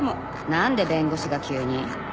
「なんで弁護士が急に？